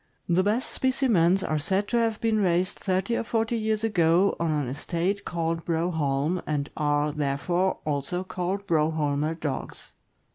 The best specimens are said to have been raised thirty or forty years ago on an estate called Broholm, and are, therefore, also called Broholmer Dogs.